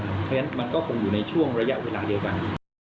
เพราะฉะนั้นมันก็คงอยู่ในช่วงระยะเวลาเดียวกัน